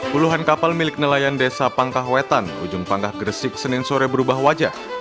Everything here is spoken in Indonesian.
puluhan kapal milik nelayan desa pangkah wetan ujung pangkah gresik senin sore berubah wajah